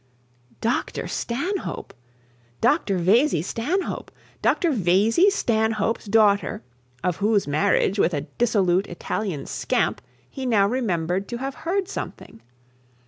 Dr Stanhope! Dr Vesey Stanhope! Dr Vesey Stanhope's daughter, of whose marriage with a dissolute Italian scamp he now remembered to have heard something!